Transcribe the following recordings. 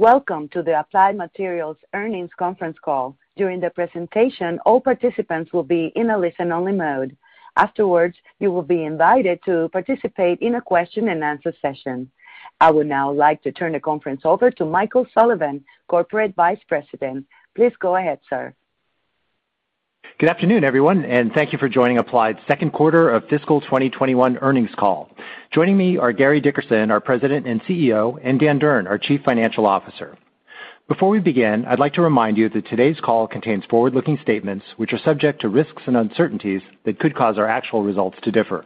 Welcome to the Applied Materials earnings conference call. During the presentation, all participants will be in a listen-only mode. Afterwards, you will be invited to participate in a question-and-answer session. I would now like to turn the conference over to Michael Sullivan, Corporate Vice President. Please go ahead, sir. Good afternoon, everyone, thank you for joining Applied's second quarter of fiscal 2021 earnings call. Joining me are Gary Dickerson, our President and CEO, and Dan Durn, our Chief Financial Officer. Before we begin, I'd like to remind you that today's call contains forward-looking statements which are subject to risks and uncertainties that could cause our actual results to differ.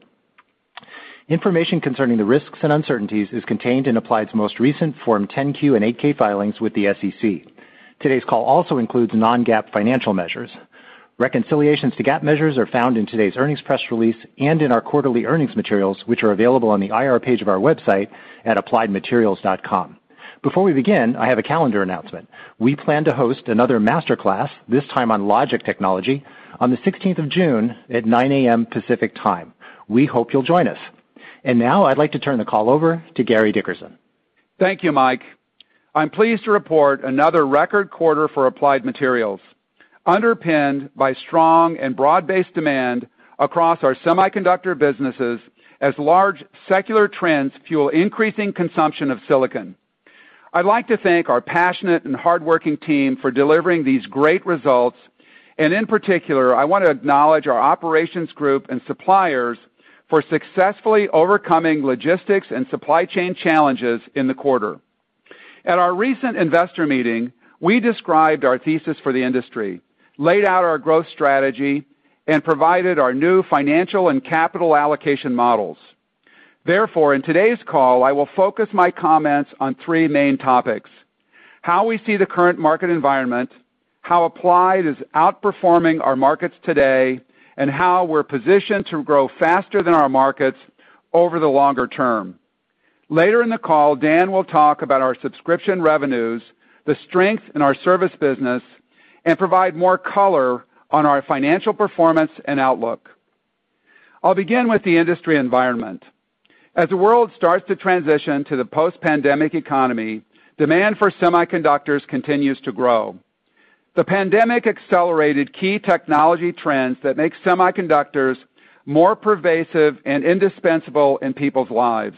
Information concerning the risks and uncertainties is contained in Applied's most recent Form 10-Q and 8-K filings with the SEC. Today's call also includes non-GAAP financial measures. Reconciliations to GAAP measures are found in today's earnings press release and in our quarterly earnings materials, which are available on the IR page of our website at appliedmaterials.com. Before we begin, I have a calendar announcement. We plan to host another Logic Masterclass, this time on logic technology, on the 16th of June at 9:00 A.M. Pacific Time. We hope you'll join us. Now I'd like to turn the call over to Gary Dickerson. Thank you, Mike. I'm pleased to report another record quarter for Applied Materials, underpinned by strong and broad-based demand across our semiconductor businesses as large secular trends fuel increasing consumption of silicon. I'd like to thank our passionate and hardworking team for delivering these great results. In particular, I want to acknowledge our operations group and suppliers for successfully overcoming logistics and supply chain challenges in the quarter. At our recent investor meeting, we described our thesis for the industry, laid out our growth strategy, and provided our new financial and capital allocation models. Therefore, in today's call, I will focus my comments on three main topics: how we see the current market environment, how Applied is outperforming our markets today, and how we're positioned to grow faster than our markets over the longer term. Later in the call, Dan will talk about our subscription revenues, the strength in our service business, and provide more color on our financial performance and outlook. I'll begin with the industry environment. As the world starts to transition to the post-pandemic economy, demand for semiconductors continues to grow. The pandemic accelerated key technology trends that make semiconductors more pervasive and indispensable in people's lives.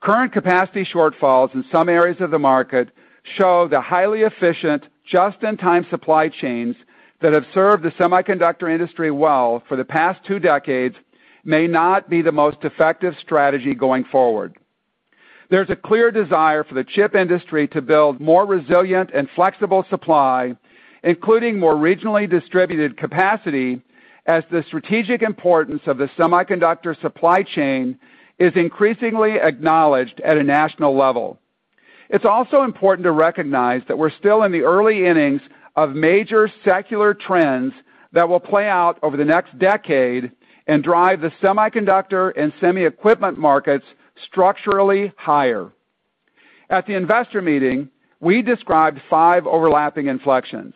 Current capacity shortfalls in some areas of the market show the highly efficient, just-in-time supply chains that have served the semiconductor industry well for the past two decades may not be the most effective strategy going forward. There's a clear desire for the chip industry to build more resilient and flexible supply, including more regionally distributed capacity, as the strategic importance of the semiconductor supply chain is increasingly acknowledged at a national level. It's also important to recognize that we're still in the early innings of major secular trends that will play out over the next decade and drive the semiconductor and semi equipment markets structurally higher. At the investor meeting, we described five overlapping inflections.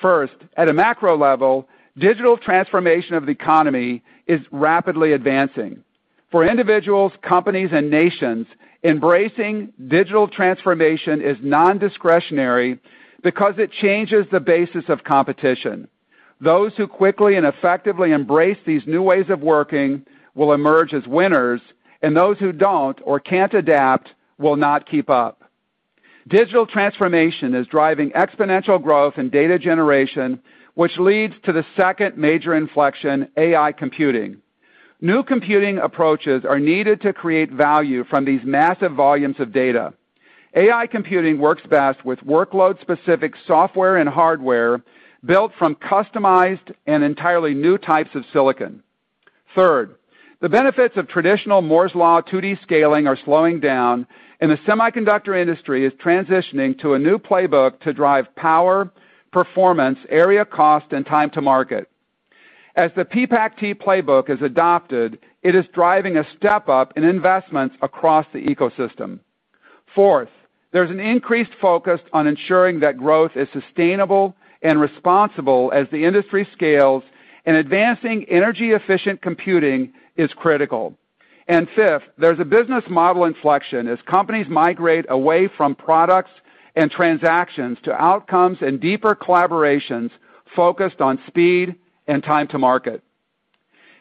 First, at a macro level, digital transformation of the economy is rapidly advancing. For individuals, companies, and nations, embracing digital transformation is non-discretionary because it changes the basis of competition. Those who quickly and effectively embrace these new ways of working will emerge as winners, and those who don't or can't adapt will not keep up. Digital transformation is driving exponential growth in data generation, which leads to the second major inflection, AI computing. New computing approaches are needed to create value from these massive volumes of data. AI computing works best with workload-specific software and hardware built from customized and entirely new types of silicon. Third, the benefits of traditional Moore's Law 2D scaling are slowing down, and the semiconductor industry is transitioning to a new playbook to drive power, performance, area cost, and time to market. As the PPACt playbook is adopted, it is driving a step up in investments across the ecosystem. Fourth, there's an increased focus on ensuring that growth is sustainable and responsible as the industry scales, and advancing energy-efficient computing is critical. Fifth, there's a business model inflection as companies migrate away from products and transactions to outcomes and deeper collaborations focused on speed and time to market.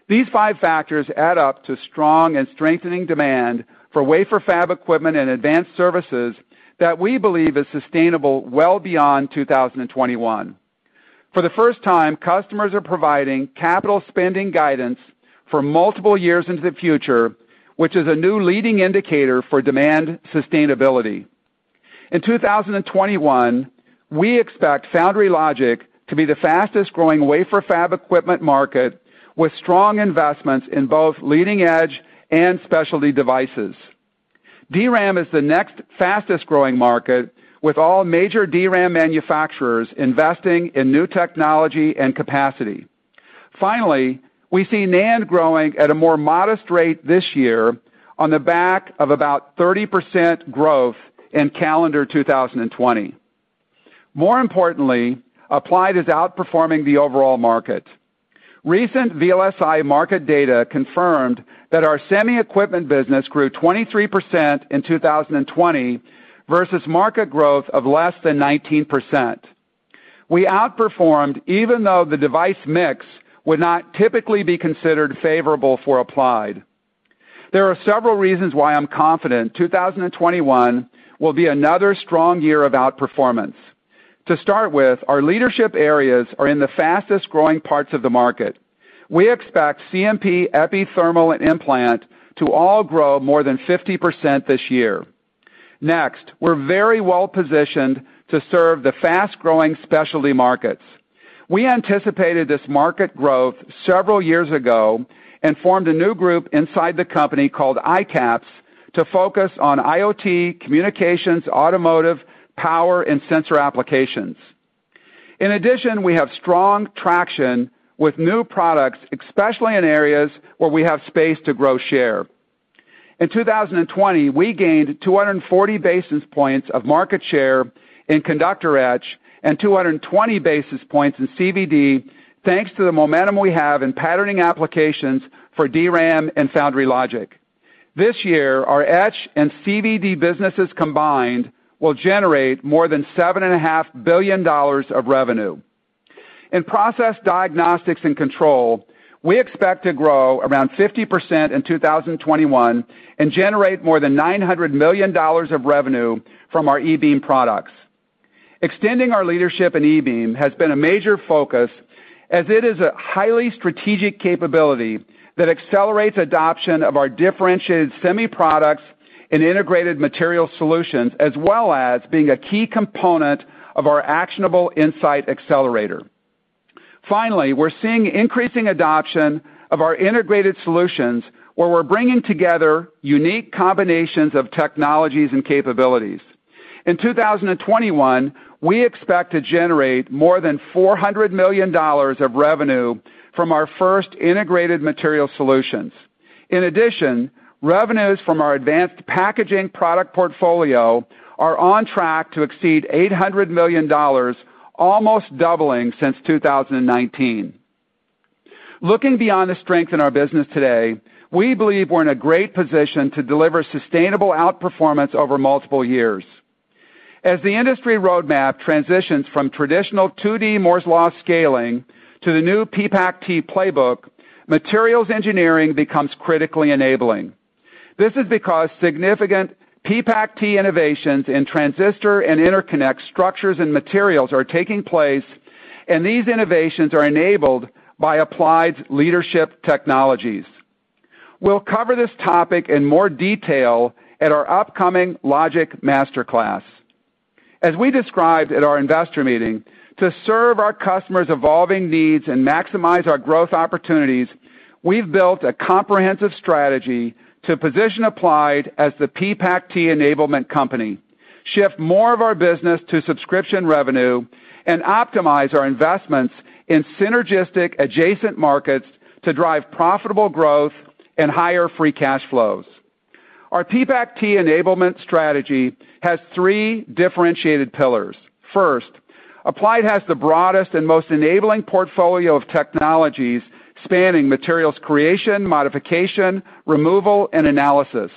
These five factors add up to strong and strengthening demand for wafer fab equipment and advanced services that we believe is sustainable well beyond 2021. For the first time, customers are providing capital spending guidance for multiple years into the future, which is a new leading indicator for demand sustainability. In 2021, we expect foundry logic to be the fastest-growing wafer fab equipment market with strong investments in both leading-edge and specialty devices. DRAM is the next fastest-growing market, with all major DRAM manufacturers investing in new technology and capacity. Finally, we see NAND growing at a more modest rate this year on the back of about 30% growth in calendar 2020. More importantly, Applied is outperforming the overall market. Recent VLSI market data confirmed that our semi equipment business grew 23% in 2020 versus market growth of less than 19%. We outperformed even though the device mix would not typically be considered favorable for Applied. There are several reasons why I'm confident 2021 will be another strong year of outperformance. To start with, our leadership areas are in the fastest-growing parts of the market. We expect CMP, epi thermal, and implant to all grow more than 50% this year. Next, we're very well-positioned to serve the fast-growing specialty markets. We anticipated this market growth several years ago and formed a new group inside the company called ICAPS to focus on IoT, communications, automotive, power, and sensor applications. In addition, we have strong traction with new products, especially in areas where we have space to grow share. In 2020, we gained 240 basis points of market share in conductor etch and 220 basis points in CVD, thanks to the momentum we have in patterning applications for DRAM and foundry logic. This year, our etch and CVD businesses combined will generate more than seven and a half billion dollars of revenue. In process diagnostics and control, we expect to grow around 50% in 2021 and generate more than $900 million of revenue from our E-beam products. Extending our leadership in E-beam has been a major focus as it is a highly strategic capability that accelerates adoption of our differentiated semi products and integrated material solutions, as well as being a key component of our Actionable Insight Accelerator. Finally, we're seeing increasing adoption of our integrated solutions, where we're bringing together unique combinations of technologies and capabilities. In 2021, we expect to generate more than $400 million of revenue from our first integrated material solutions. In addition, revenues from our advanced packaging product portfolio are on track to exceed $800 million, almost doubling since 2019. Looking beyond the strength in our business today, we believe we're in a great position to deliver sustainable outperformance over multiple years. As the industry roadmap transitions from traditional 2D Moore's Law scaling to the new PPACt playbook, materials engineering becomes critically enabling. This is because significant PPACt innovations in transistor and interconnect structures and materials are taking place, and these innovations are enabled by Applied's leadership technologies. We'll cover this topic in more detail at our upcoming Logic Masterclass. As we described at our investor meeting, to serve our customers' evolving needs and maximize our growth opportunities, we've built a comprehensive strategy to position Applied as the PPACt enablement company, shift more of our business to subscription revenue, and optimize our investments in synergistic adjacent markets to drive profitable growth and higher free cash flows. Our PPACt enablement strategy has three differentiated pillars. First, Applied has the broadest and most enabling portfolio of technologies spanning materials creation, modification, removal, and analysis.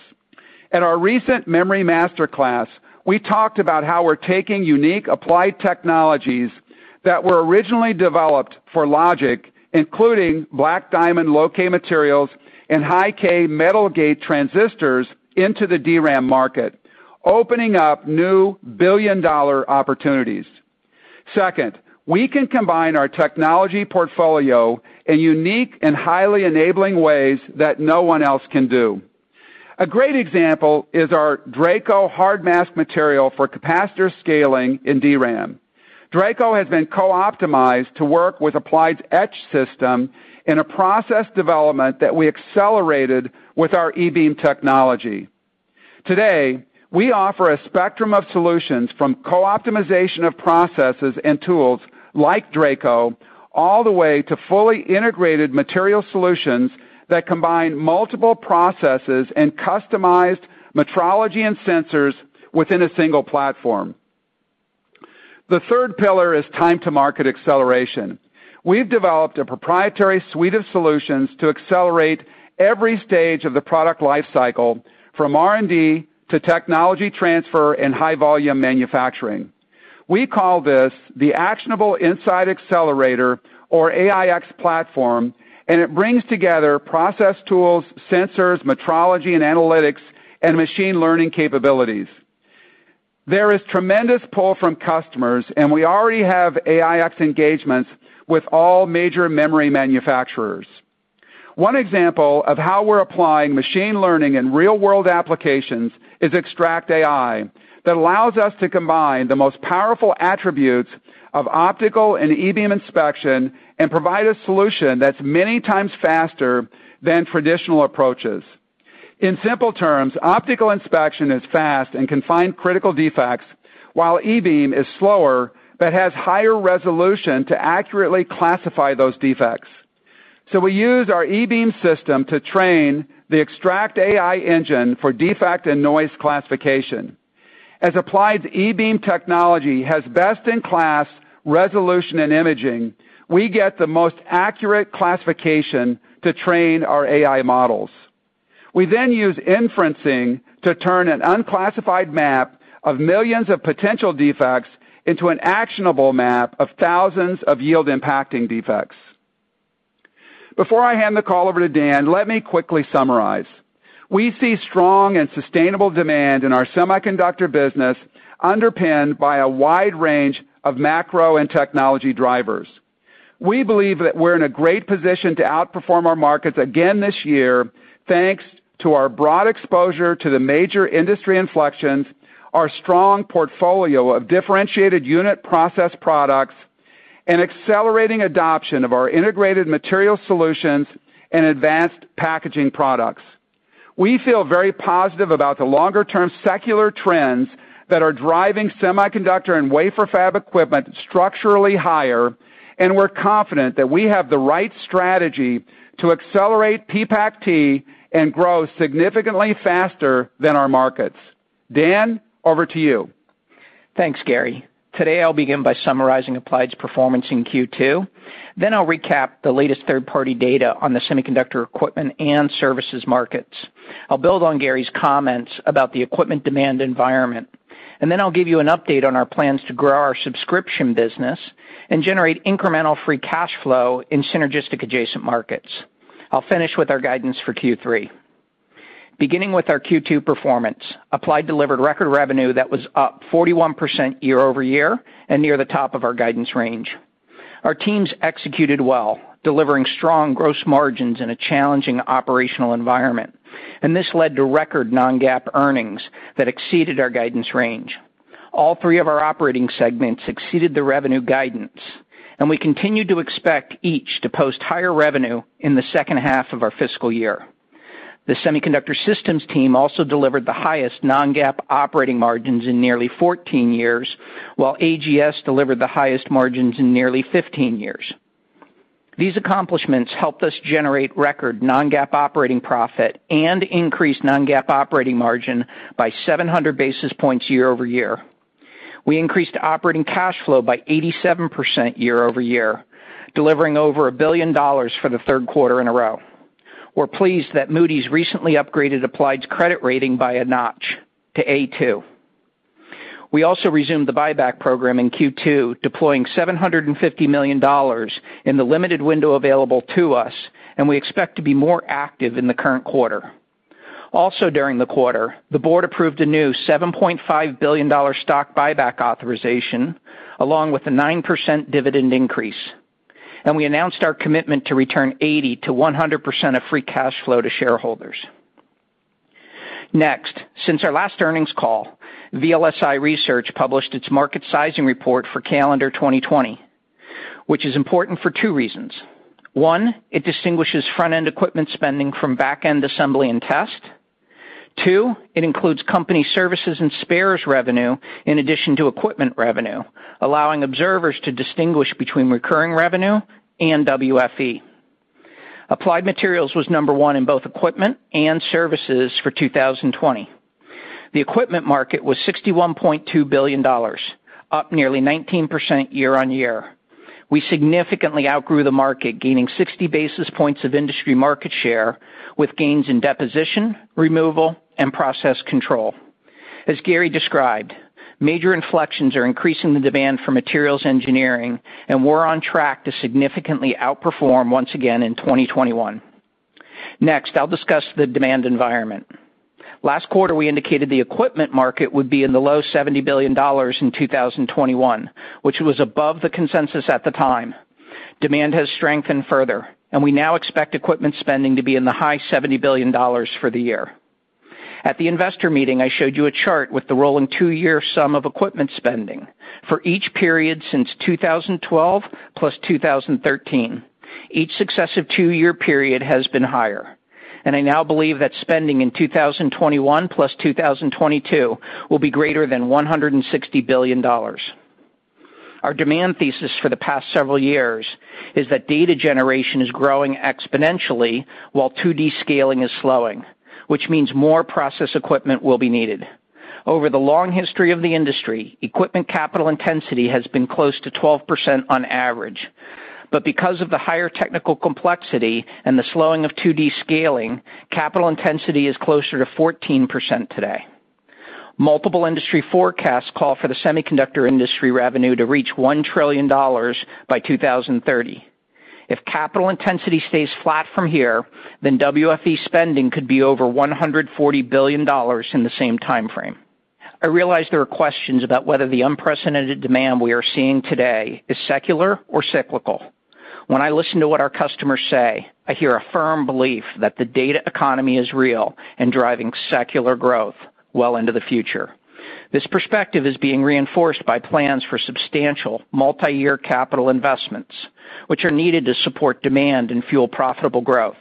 At our recent Memory Masterclass, we talked about how we're taking unique Applied technologies that were originally developed for logic, including Black Diamond low-k materials and High-k Metal Gate transistors into the DRAM market, opening up new billion-dollar opportunities. Second, we can combine our technology portfolio in unique and highly enabling ways that no one else can do. A great example is our Draco hard mask material for capacitor scaling in DRAM. Draco has been co-optimized to work with Applied's etch system in a process development that we accelerated with our E-beam technology. Today, we offer a spectrum of solutions from co-optimization of processes and tools like Draco all the way to fully integrated material solutions that combine multiple processes and customized metrology and sensors within a single platform. The third pillar is time to market acceleration. We've developed a proprietary suite of solutions to accelerate every stage of the product life cycle from R&D to technology transfer and high-volume manufacturing. We call this the Actionable Insight Accelerator or AIx platform, and it brings together process tools, sensors, metrology and analytics, and machine learning capabilities. There is tremendous pull from customers, and we already have AIx engagements with all major memory manufacturers. One example of how we're applying machine learning in real-world applications is ExtractAI that allows us to combine the most powerful attributes of optical and E-beam inspection and provide a solution that's many times faster than traditional approaches. In simple terms, optical inspection is fast and can find critical defects, while E-beam is slower but has higher resolution to accurately classify those defects. We use our E-beam system to train the ExtractAI engine for defect and noise classification. As Applied's E-beam technology has best-in-class resolution and imaging, we get the most accurate classification to train our AI models. We then use inferencing to turn an unclassified map of millions of potential defects into an actionable map of thousands of yield-impacting defects. Before I hand the call over to Dan, let me quickly summarize. We see strong and sustainable demand in our semiconductor business, underpinned by a wide range of macro and technology drivers. We believe that we're in a great position to outperform our markets again this year, thanks to our broad exposure to the major industry inflections, our strong portfolio of differentiated unit process products, and accelerating adoption of our integrated material solutions and advanced packaging products. We feel very positive about the longer-term secular trends that are driving semiconductor and wafer fab equipment structurally higher, and we're confident that we have the right strategy to accelerate PPACt and grow significantly faster than our markets. Dan, over to you. Thanks, Gary. Today, I'll begin by summarizing Applied's performance in Q2, then I'll recap the latest third-party data on the semiconductor equipment and services markets. I'll build on Gary's comments about the equipment demand environment, and then I'll give you an update on our plans to grow our subscription business and generate incremental free cash flow in synergistic adjacent markets. I'll finish with our guidance for Q3. Beginning with our Q2 performance, Applied delivered record revenue that was up 41% year-over-year and near the top of our guidance range. Our teams executed well, delivering strong gross margins in a challenging operational environment, and this led to record non-GAAP earnings that exceeded our guidance range. All three of our operating segments exceeded the revenue guidance, and we continue to expect each to post higher revenue in the second half of our fiscal year. The semiconductor systems team also delivered the highest non-GAAP operating margins in nearly 14 years, while AGS delivered the highest margins in nearly 15 years. These accomplishments helped us generate record non-GAAP operating profit and increase non-GAAP operating margin by 700 basis points year-over-year. We increased operating cash flow by 87% year-over-year, delivering over $1 billion for the third quarter in a row. We're pleased that Moody's recently upgraded Applied's credit rating by a notch to A2. We also resumed the buyback program in Q2, deploying $750 million in the limited window available to us. We expect to be more active in the current quarter. During the quarter, the board approved a new $7.5 billion stock buyback authorization, along with a 9% dividend increase. We announced our commitment to return 80%-100% of free cash flow to shareholders. Next, since our last earnings call, VLSI Research published its market sizing report for calendar 2020, which is important for two reasons. One, it distinguishes Front End equipment spending from back-end assembly and test. Two, it includes company services and spares revenue in addition to equipment revenue, allowing observers to distinguish between recurring revenue and WFE. Applied Materials was number one in both equipment and services for 2020. The equipment market was $61.2 billion, up nearly 19% year on year. We significantly outgrew the market, gaining 60 basis points of industry market share with gains in deposition, removal, and process control. As Gary described, major inflections are increasing the demand for materials engineering, and we're on track to significantly outperform once again in 2021. Next, I'll discuss the demand environment. Last quarter, we indicated the equipment market would be in the low $70 billion in 2021, which was above the consensus at the time. Demand has strengthened further, and we now expect equipment spending to be in the high $70 billion for the year. At the investor meeting, I showed you a chart with the rolling two-year sum of equipment spending for each period since 2012 plus 2013. Each successive two-year period has been higher, and I now believe that spending in 2021 plus 2022 will be greater than $160 billion. Our demand thesis for the past several years is that data generation is growing exponentially while 2D scaling is slowing, which means more process equipment will be needed. Over the long history of the industry, equipment capital intensity has been close to 12% on average. Because of the higher technical complexity and the slowing of 2D scaling, capital intensity is closer to 14% today. Multiple industry forecasts call for the semiconductor industry revenue to reach $1 trillion by 2030. If capital intensity stays flat from here, WFE spending could be over $140 billion in the same time frame. I realize there are questions about whether the unprecedented demand we are seeing today is secular or cyclical. When I listen to what our customers say, I hear a firm belief that the data economy is real and driving secular growth well into the future. This perspective is being reinforced by plans for substantial multi-year capital investments, which are needed to support demand and fuel profitable growth.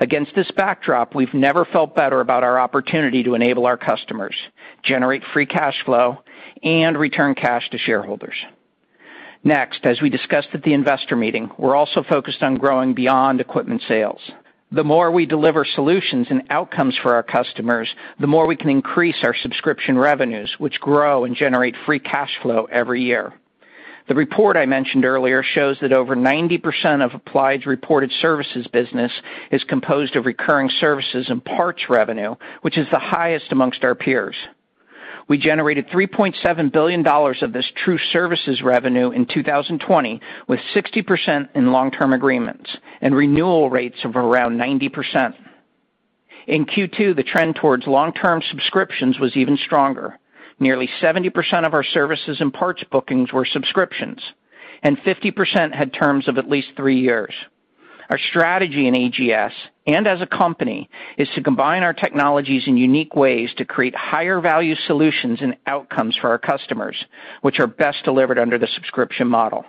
Against this backdrop, we've never felt better about our opportunity to enable our customers, generate free cash flow, and return cash to shareholders. As we discussed at the investor meeting, we're also focused on growing beyond equipment sales. The more we deliver solutions and outcomes for our customers, the more we can increase our subscription revenues, which grow and generate free cash flow every year. The report I mentioned earlier shows that over 90% of Applied's reported services business is composed of recurring services and parts revenue, which is the highest amongst our peers. We generated $3.7 billion of this true services revenue in 2020, with 60% in long-term agreements and renewal rates of around 90%. In Q2, the trend towards long-term subscriptions was even stronger. Nearly 70% of our services and parts bookings were subscriptions, and 50% had terms of at least three years. Our strategy in AGS, and as a company, is to combine our technologies in unique ways to create higher value solutions and outcomes for our customers, which are best delivered under the subscription model.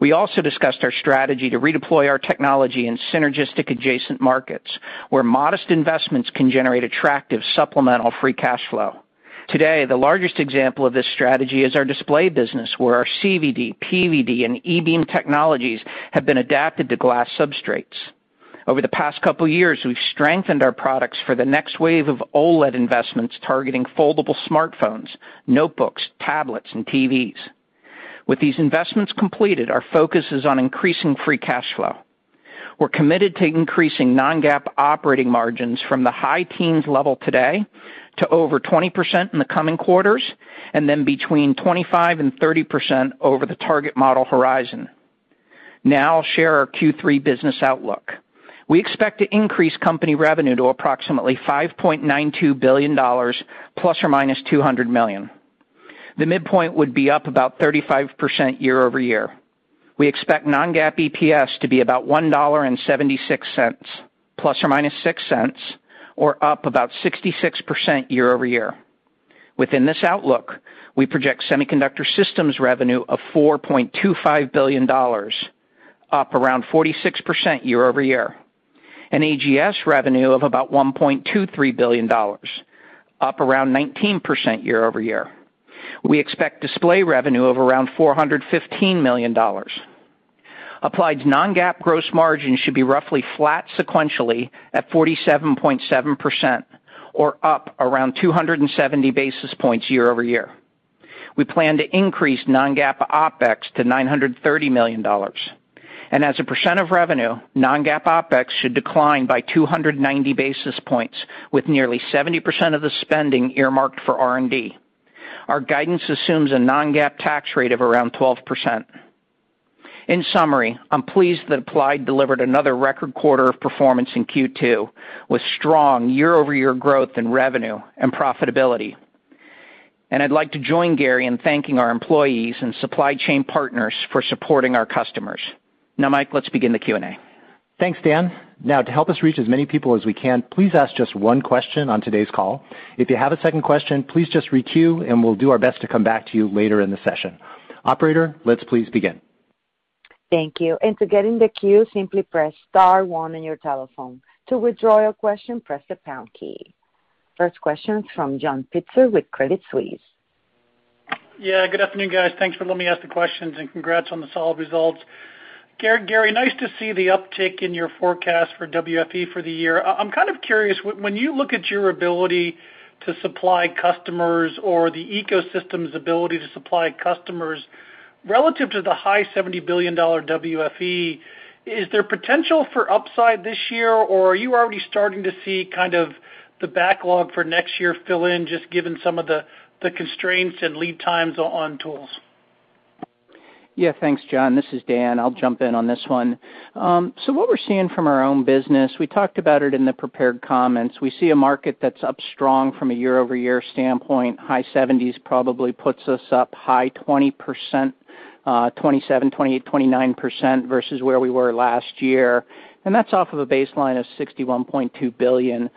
We also discussed our strategy to redeploy our technology in synergistic adjacent markets, where modest investments can generate attractive supplemental free cash flow. Today, the largest example of this strategy is our Display business, where our CVD, PVD, and E-beam technologies have been adapted to glass substrates. Over the past couple years, we've strengthened our products for the next wave of OLED investments, targeting foldable smartphones, notebooks, tablets, and TVs. With these investments completed, our focus is on increasing free cash flow. We're committed to increasing non-GAAP operating margins from the high teens level today to over 20% in the coming quarters, and then between 25% and 30% over the target model horizon. I'll share our Q3 business outlook. We expect to increase company revenue to approximately $5.92 billion, ±$200 million. The midpoint would be up about 35% year-over-year. We expect non-GAAP EPS to be about $1.76, ±$0.06, or up about 66% year-over-year. Within this outlook, we project semiconductor systems revenue of $4.25 billion, up around 46% year-over-year. AGS revenue of about $1.23 billion, up around 19% year-over-year. We expect Display revenue of around $415 million. Applied's non-GAAP gross margin should be roughly flat sequentially at 47.7%, or up around 270 basis points year-over-year. We plan to increase non-GAAP OpEx to $930 million. As a percent of revenue, non-GAAP OpEx should decline by 290 basis points, with nearly 70% of the spending earmarked for R&D. Our guidance assumes a non-GAAP tax rate of around 12%. In summary, I'm pleased that Applied delivered another record quarter of performance in Q2, with strong year-over-year growth in revenue and profitability. I'd like to join Gary in thanking our employees and supply chain partners for supporting our customers. Now, Mike, let's begin the Q&A. Thanks, Dan. Now, to help us reach as many people as we can, please ask just one question on today's call. If you have a second question, please just re-queue, and we'll do our best to come back to you later in the session. Operator, let's please begin. Thank you. To get in the queue, simply press star one on your telephone. To withdraw your question, press the pound key. First question from John Pitzer with Credit Suisse. Good afternoon, guys. Thanks for letting me ask the questions, congrats on the solid results. Gary, nice to see the uptick in your forecast for WFE for the year. I'm kind of curious, when you look at your ability to supply customers or the ecosystem's ability to supply customers relative to the high $70 billion WFE, is there potential for upside this year, or are you already starting to see kind of the backlog for next year fill in, just given some of the constraints and lead times on tools? Yeah. Thanks, John. This is Dan. I'll jump in on this one. What we're seeing from our own business, we talked about it in the prepared comments. We see a market that's up strong from a year-over-year standpoint. High seventies probably puts us up high 20%, 27%, 28%, 29% versus where we were last year, that's off of a baseline of $61.2 billion.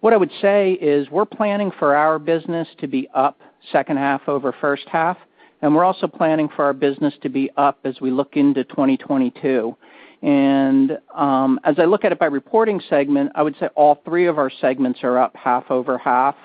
What I would say is we're planning for our business to be up second half over first half, we're also planning for our business to be up as we look into 2022. As I look at it by reporting segment, I would say all three of our segments are up half over half,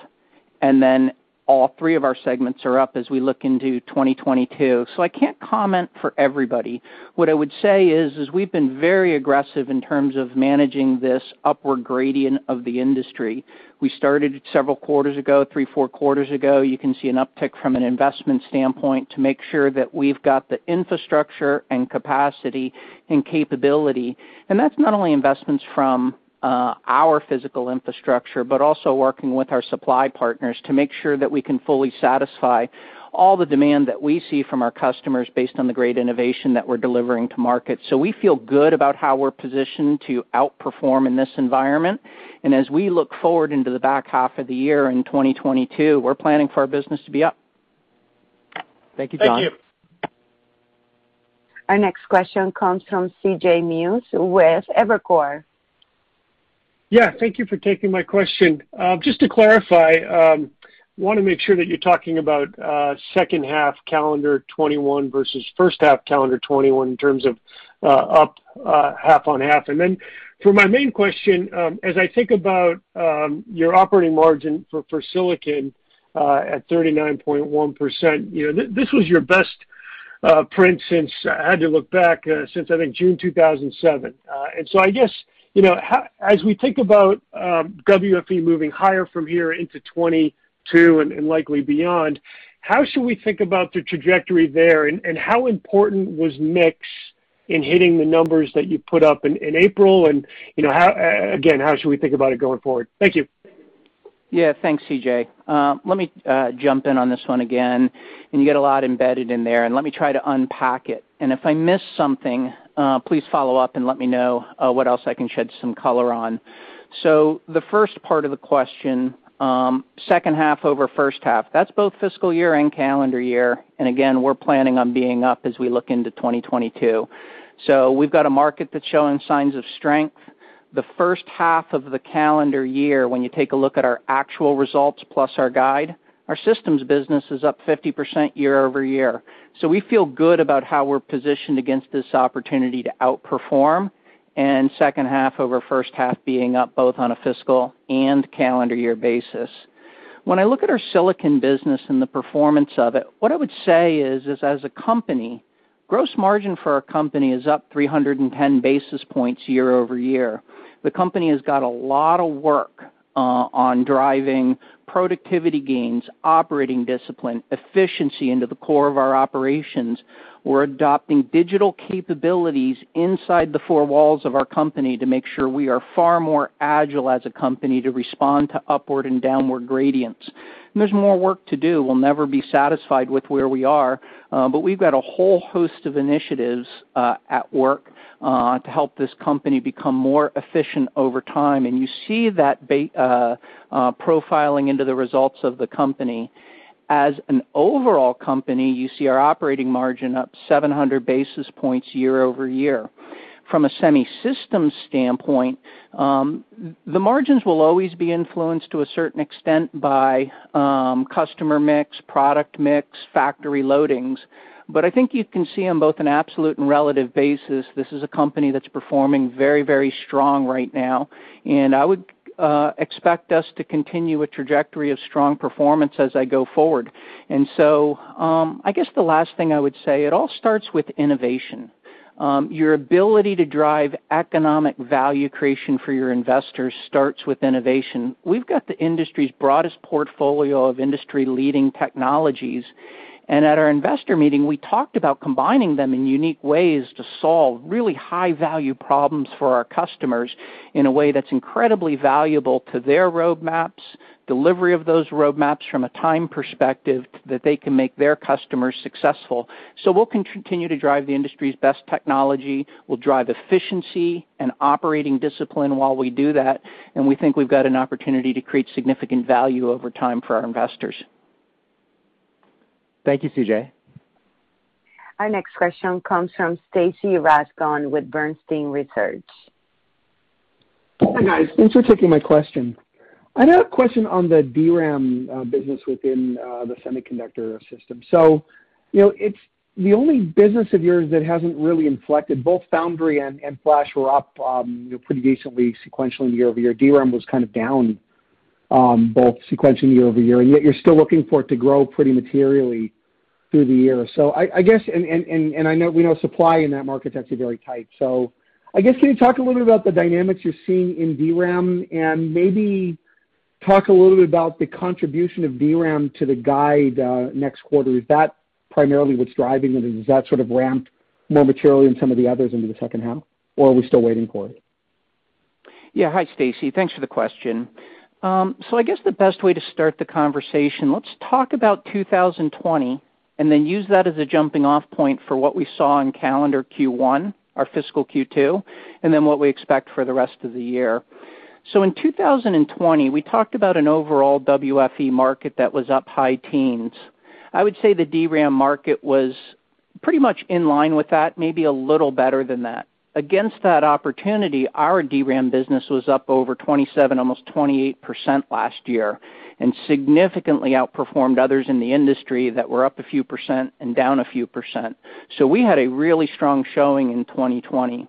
all three of our segments are up as we look into 2022. I can't comment for everybody. What I would say is, we've been very aggressive in terms of managing this upward gradient of the industry. We started several quarters ago, three, four quarters ago. You can see an uptick from an investment standpoint to make sure that we've got the infrastructure and capacity and capability. That's not only investments from our physical infrastructure, but also working with our supply partners to make sure that we can fully satisfy all the demand that we see from our customers based on the great innovation that we're delivering to market. We feel good about how we're positioned to outperform in this environment. As we look forward into the back half of the year in 2022, we're planning for our business to be up. Thank you, John. Thank you. Our next question comes from CJ Muse with Evercore. Yeah. Thank you for taking my question. I want to make sure that you're talking about second half calendar 2021 versus first half calendar 2021 in terms of up half-on-half. Then for my main question, as I think about your operating margin for silicon at 39.1%, you know, this was your best print since, I had to look back, since I think June 2007. I guess, you know, as we think about WFE moving higher from here into 2022 and likely beyond, how should we think about the trajectory there, and how important was mix in hitting the numbers that you put up in April? You know, how again, how should we think about it going forward? Thank you. Thanks, CJ Let me jump in on this one again, and you get a lot embedded in there, and let me try to unpack it. If I miss something, please follow up and let me know what else I can shed some color on. The first part of the question, second half over first half, that's both fiscal year and calendar year, again, we're planning on being up as we look into 2022. We've got a market that's showing signs of strength. The first half of the calendar year, when you take a look at our actual results plus our guide, our systems business is up 50% year-over-year. We feel good about how we're positioned against this opportunity to outperform, and second half over first half being up both on a fiscal and calendar year basis. When I look at our silicon business and the performance of it, what I would say is, as a company, gross margin for our company is up 310 basis points year-over-year. The company has got a lot of work on driving productivity gains, operating discipline, efficiency into the core of our operations. We're adopting digital capabilities inside the four walls of our company to make sure we are far more agile as a company to respond to upward and downward gradients. There's more work to do. We'll never be satisfied with where we are, but we've got a whole host of initiatives at work to help this company become more efficient over time, and you see that profiling into the results of the company. As an overall company, you see our operating margin up 700 basis points year-over-year. From a semi system standpoint, the margins will always be influenced to a certain extent by customer mix, product mix, factory loadings. I think you can see on both an absolute and relative basis, this is a company that's performing very, very strong right now, and I would expect us to continue a trajectory of strong performance as I go forward. I guess the last thing I would say, it all starts with innovation. Your ability to drive economic value creation for your investors starts with innovation. We've got the industry's broadest portfolio of industry-leading technologies, and at our investor meeting, we talked about combining them in unique ways to solve really high-value problems for our customers in a way that's incredibly valuable to their roadmaps, delivery of those roadmaps from a time perspective that they can make their customers successful. We'll continue to drive the industry's best technology. We'll drive efficiency and operating discipline while we do that, and we think we've got an opportunity to create significant value over time for our investors. Thank you, CJ Our next question comes from Stacy Rasgon with Bernstein Research. Hi, guys. Thanks for taking my question. I have a question on the DRAM business within the semiconductor system. You know, it's the only business of yours that hasn't really inflected. Both Foundry and Flash were up, you know, pretty decently sequentially year-over-year. DRAM was kind of down, both sequentially year-over-year, and yet you're still looking for it to grow pretty materially through the year. I know we know supply in that market tends to be very tight. Can you talk a little bit about the dynamics you're seeing in DRAM and maybe talk a little bit about the contribution of DRAM to the guide next quarter? Is that primarily what's driving it, or is that sort of ramped more materially than some of the others into the second half, or are we still waiting for it? Hi, Stacy. Thanks for the question. I guess the best way to start the conversation, let's talk about 2020, then use that as a jumping-off point for what we saw in calendar Q1, our fiscal Q2, then what we expect for the rest of the year. In 2020, we talked about an overall WFE market that was up high teens. I would say the DRAM market was pretty much in line with that, maybe a little better than that. Against that opportunity, our DRAM business was up over 27%, almost 28% last year, and significantly outperformed others in the industry that were up a few percent and down a few percent. We had a really strong showing in 2020.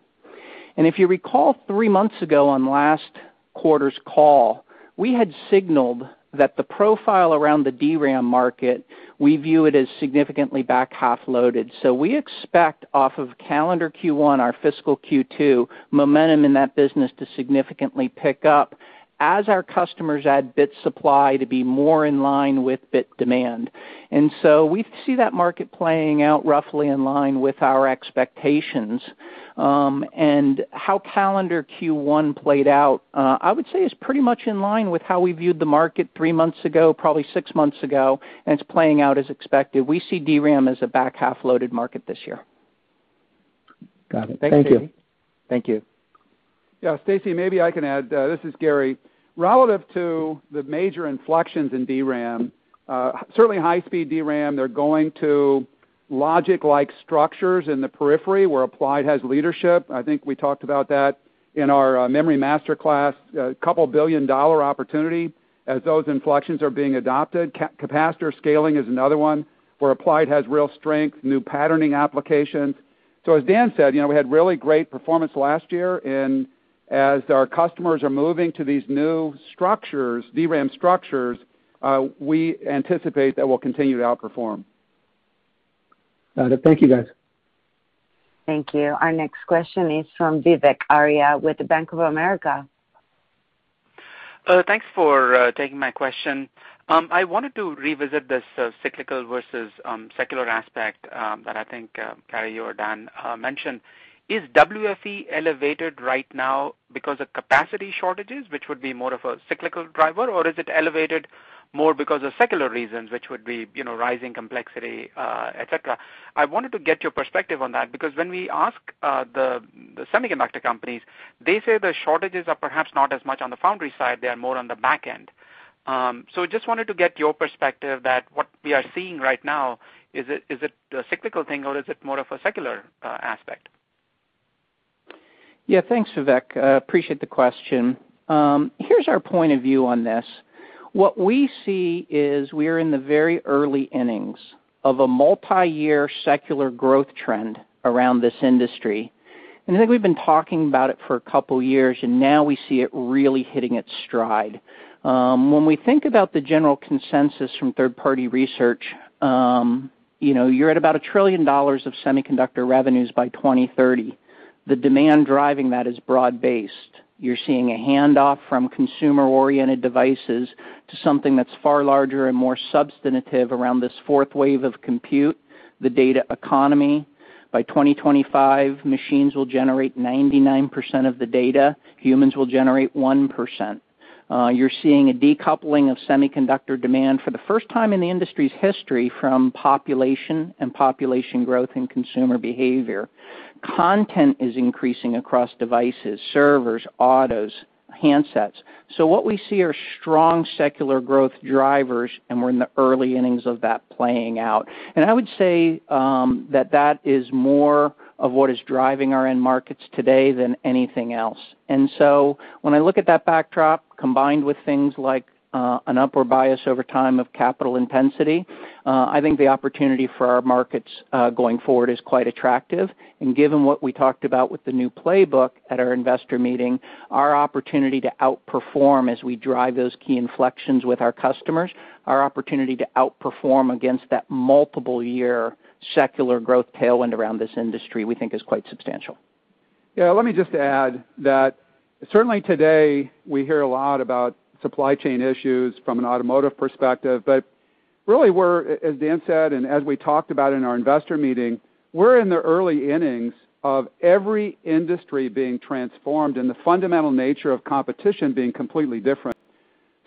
If you recall, three months ago on last quarter's call, we had signaled that the profile around the DRAM market, we view it as significantly back half loaded. We expect off of calendar Q1, our fiscal Q2, momentum in that business to significantly pick up as our customers add bit supply to be more in line with bit demand. We see that market playing out roughly in line with our expectations. How calendar Q1 played out, I would say is pretty much in line with how we viewed the market three months ago, probably six months ago, and it's playing out as expected. We see DRAM as a back half loaded market this year. Got it. Thank you. Thanks, Stacy. Thank you. Yeah, Stacy, maybe I can add. This is Gary. Relative to the major inflections in DRAM, certainly high-speed DRAM, they're going to Logic-like structures in the periphery where Applied has leadership, I think we talked about that in our Memory Masterclass, a couple billion dollar opportunity as those inflections are being adopted. Capacitor scaling is another one where Applied has real strength, new patterning applications. As Dan said, you know, we had really great performance last year, and as our customers are moving to these new structures, DRAM structures, we anticipate that we'll continue to outperform. Got it. Thank you, guys. Thank you. Our next question is from Vivek Arya with Bank of America. Thanks for taking my question. I wanted to revisit this cyclical versus secular aspect that I think Gary, you or Dan mentioned. Is WFE elevated right now because of capacity shortages, which would be more of a cyclical driver, or is it elevated more because of secular reasons, which would be, you know, rising complexity, et cetera? I wanted to get your perspective on that because when we ask the semiconductor companies, they say the shortages are perhaps not as much on the foundry side, they are more on the back end. Just wanted to get your perspective that what we are seeing right now, is it a cyclical thing or is it more of a secular aspect? Yeah. Thanks, Vivek. Appreciate the question. Here's our point of view on this. What we see is we are in the very early innings of a multi-year secular growth trend around this industry. I think we've been talking about it for a couple years, and now we see it really hitting its stride. When we think about the general consensus from third party research, you know, you're at about a trillion dollars of semiconductor revenues by 2030. The demand driving that is broad-based. You're seeing a handoff from consumer-oriented devices to something that's far larger and more substantive around this fourth wave of compute, the data economy. By 2025, machines will generate 99% of the data, humans will generate 1%. You're seeing a decoupling of semiconductor demand for the first time in the industry's history from population and population growth and consumer behavior. Content is increasing across devices, servers, autos, handsets. What we see are strong secular growth drivers, and we're in the early innings of that playing out. I would say that that is more of what is driving our end markets today than anything else. When I look at that backdrop combined with things like an upward bias over time of capital intensity, I think the opportunity for our markets going forward is quite attractive. Given what we talked about with the new playbook at our investor meeting, our opportunity to outperform as we drive those key inflections with our customers, our opportunity to outperform against that multiple year secular growth tailwind around this industry, we think is quite substantial. Let me just add that certainly today we hear a lot about supply chain issues from an automotive perspective, but really we're, as Dan said, and as we talked about in our investor meeting, we're in the early innings of every industry being transformed and the fundamental nature of competition being completely different.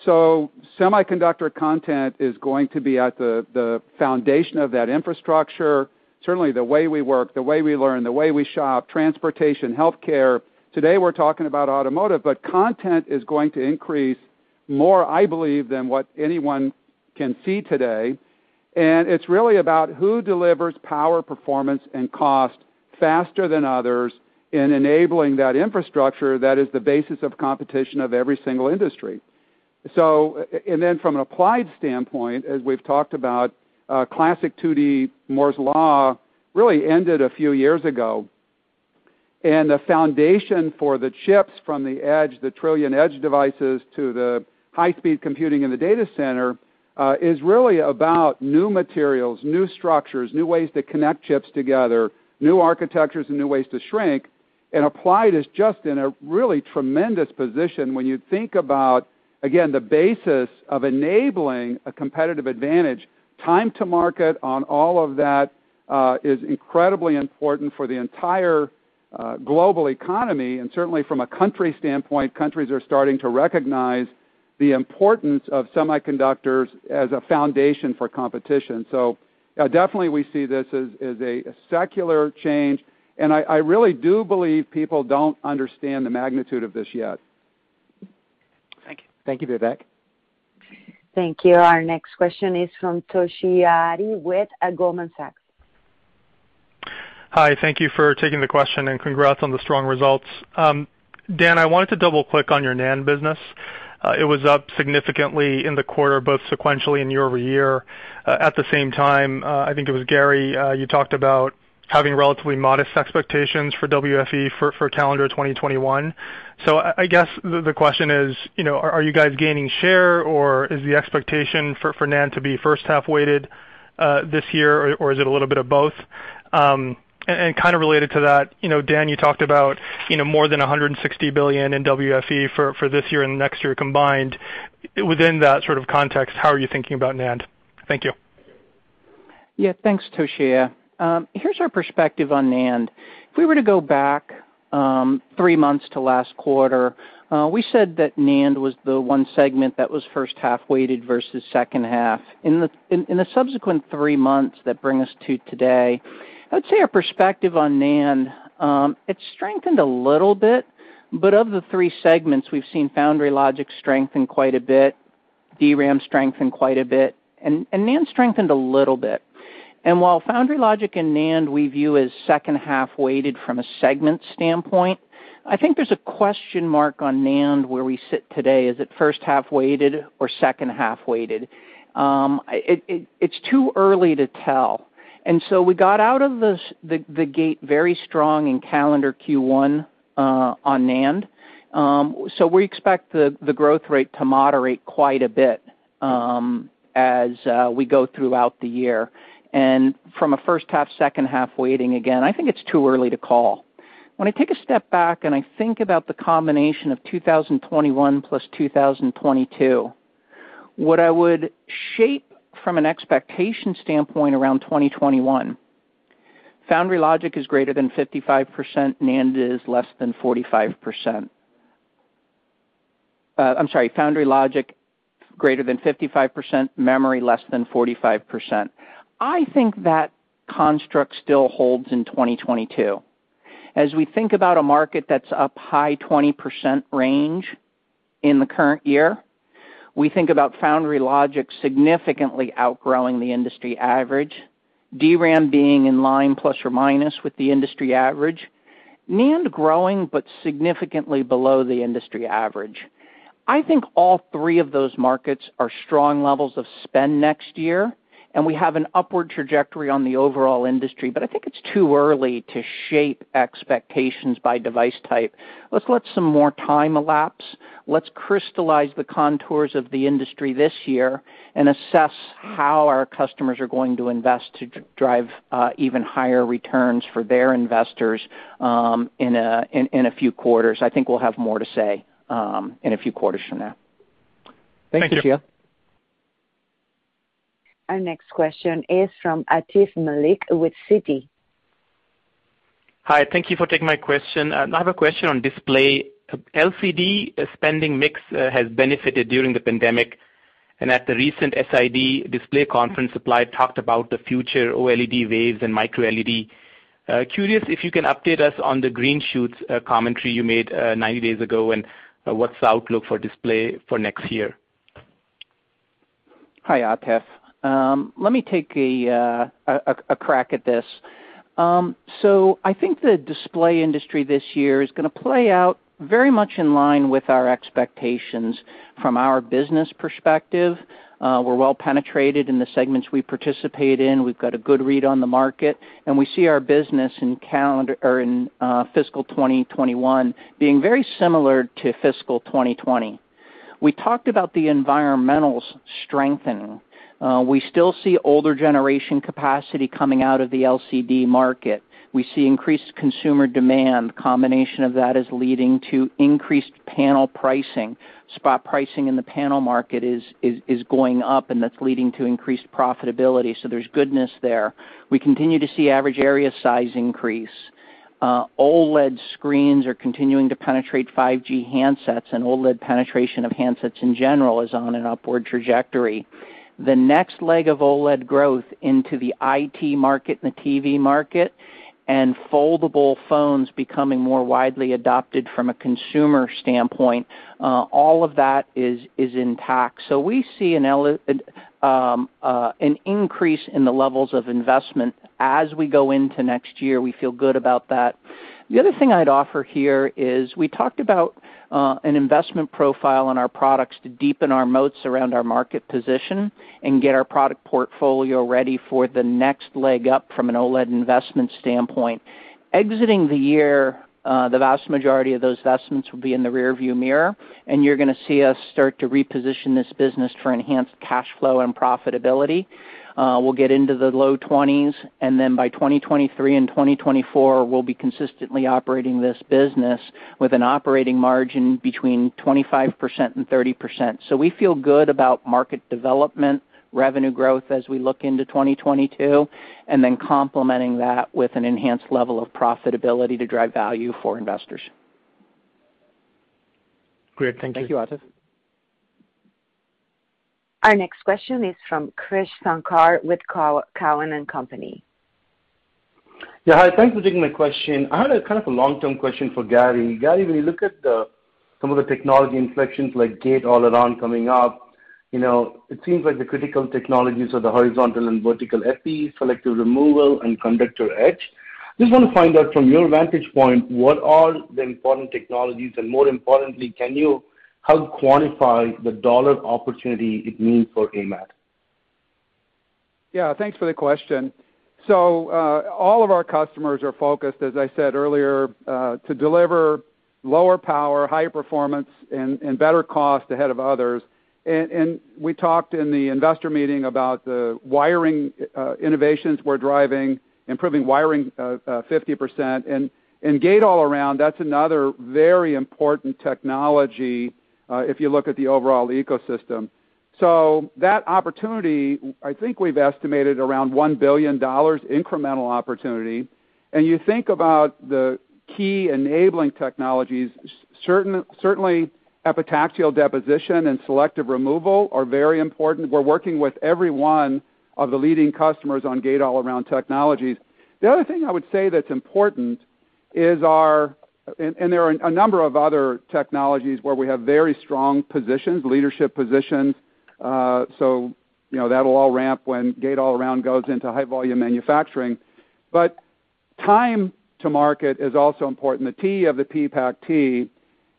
Semiconductor content is going to be at the foundation of that infrastructure, certainly the way we work, the way we learn, the way we shop, transportation, healthcare. Today we're talking about automotive, but content is going to increase more, I believe, than what anyone can see today. It's really about who delivers power, performance, and cost faster than others in enabling that infrastructure that is the basis of competition of every single industry. From an Applied standpoint, as we've talked about, classic 2D Moore's Law really ended a few years ago. The foundation for the chips from the edge, the trillion edge devices to the high-speed computing in the data center, is really about new materials, new structures, new ways to connect chips together, new architectures and new ways to shrink. Applied is just in a really tremendous position when you think about, again, the basis of enabling a competitive advantage, time to market on all of that, is incredibly important for the entire global economy. Certainly from a country standpoint, countries are starting to recognize the importance of semiconductors as a foundation for competition. Definitely we see this as a secular change, and I really do believe people don't understand the magnitude of this yet. Thank you. Thank you, Vivek. Thank you. Our next question is from Toshiya Hari with Goldman Sachs. Hi. Thank you for taking the question, and congrats on the strong results. Dan, I wanted to double-click on your NAND business. It was up significantly in the quarter, both sequentially and year-over-year. At the same time, I think it was Gary, you talked about having relatively modest expectations for WFE for calendar 2021. I guess the question is, you know, are you guys gaining share, or is the expectation for NAND to be first half weighted this year, or is it a little bit of both? Kind of related to that, you know, Dan, you talked about, you know, more than $160 billion in WFE for this year and next year combined. Within that sort of context, how are you thinking about NAND? Thank you. Yeah. Thanks, Toshiya. Here's our perspective on NAND. If we were to go back, three months to last quarter, we said that NAND was the one segment that was first half weighted versus second half. In the subsequent three months that bring us to today, I'd say our perspective on NAND, it's strengthened a little bit, but of the three segments we've seen foundry logic strengthen quite a bit, DRAM strengthened quite a bit, and NAND strengthened a little bit. While foundry logic and NAND we view as second half weighted from a segment standpoint, I think there's a question mark on NAND where we sit today. Is it first half weighted or second half weighted? It's too early to tell. We got out of this, the gate very strong in calendar Q1 on NAND. We expect the growth rate to moderate quite a bit as we go throughout the year. From a first half, second half weighting, again, I think it's too early to call. When I take a step back and I think about the combination of 2021 plus 2022, what I would shape from an expectation standpoint around 2021, Foundry logic is greater than 55%, NAND is less than 45%. I'm sorry, foundry logic greater than 55%, memory less than 45%. I think that construct still holds in 2022. As we think about a market that's up high 20% range in the current year, we think about foundry logic significantly outgrowing the industry average, DRAM being in line plus or minus with the industry average, NAND growing but significantly below the industry average. I think all three of those markets are strong levels of spend next year, and we have an upward trajectory on the overall industry. I think it's too early to shape expectations by device type. Let's let some more time elapse. Let's crystallize the contours of the industry this year and assess how our customers are going to invest to drive even higher returns for their investors in a few quarters. I think we'll have more to say in a few quarters from now. Thank you. Thanks, Toshiya Hari. Our next question is from Atif Malik with Citi. Hi, thank you for taking my question. I have a question on display. LCD spending mix has benefited during the pandemic, and at the recent SID display conference, Supply talked about the future OLED waves and MicroLED. Curious if you can update us on the green shoots commentary you made 90 days ago, and what's the outlook for display for next year? Hi, Atif. Let me take a crack at this. I think the Display industry this year is gonna play out very much in line with our expectations from our business perspective. We're well penetrated in the segments we participate in. We've got a good read on the market, and we see our business in calendar or in fiscal 2021 being very similar to fiscal 2020. We talked about the environmentals strengthening. We still see older generation capacity coming out of the LCD market. We see increased consumer demand. Combination of that is leading to increased panel pricing. Spot pricing in the panel market is going up, and that's leading to increased profitability, there's goodness there. We continue to see average area size increase. OLED screens are continuing to penetrate 5G handsets, and OLED penetration of handsets in general is on an upward trajectory. The next leg of OLED growth into the IT market and the TV market and foldable phones becoming more widely adopted from a consumer standpoint, all of that is intact. We see an increase in the levels of investment as we go into next year. We feel good about that. The other thing I'd offer here is we talked about an investment profile on our products to deepen our moats around our market position and get our product portfolio ready for the next leg up from an OLED investment standpoint. Exiting the year, the vast majority of those investments will be in the rearview mirror, you're gonna see us start to reposition this business for enhanced cash flow and profitability. We'll get into the low 20s, by 2023 and 2024, we'll be consistently operating this business with an operating margin between 25% and 30%. We feel good about market development, revenue growth as we look into 2022, complementing that with an enhanced level of profitability to drive value for investors. Great. Thank you. Thank you, Atif. Our next question is from Krish Sankar with Cowen and Company. Yeah, hi. Thank you for taking my question. I had a kind of a long-term question for Gary. Gary, when you look at some of the technology inflections like Gate-All-Around coming up, you know, it seems like the critical technologies are the horizontal and vertical WFE selective removal and conductor Etch. I just want to find out from your vantage point, what are the important technologies, and more importantly, can you help quantify the dollar opportunity it means for AMAT? Yeah. Thanks for the question. All of our customers are focused, as I said earlier, to deliver lower power, higher performance and better cost ahead of others. We talked in the investor meeting about the wiring innovations we're driving, improving wiring 50%. Gate-All-Around, that's another very important technology if you look at the overall ecosystem. That opportunity, I think we've estimated around $1 billion incremental opportunity. You think about the key enabling technologies, certainly, epitaxial deposition and selective removal are very important. We're working with everyone of the leading customers on Gate-All-Around technologies. The other thing I would say that's important. There are a number of other technologies where we have very strong positions, leadership positions, you know, that'll all ramp when Gate-All-Around goes into high volume manufacturing. Time to market is also important, the T of the PPACt.